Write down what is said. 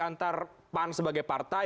antara pan sebagai partai